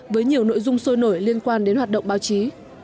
với nhiều nội dung sôi nổi liên quan đến hoạt động báo chí